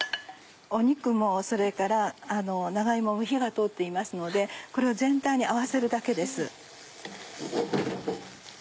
肉もそれから長芋も火が通っていますのでこれを全体に合わせるだけです。